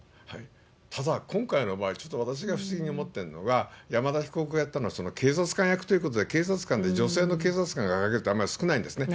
ただ、今回の場合、ちょっと私が不思議に思ってるのは、山田被告がやったのは、警察官役ということで、警察官って女性の警察官がかけるって、少ないんですね。